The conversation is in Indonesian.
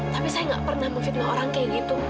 tapi saya gak pernah memfitnah orang kayak gitu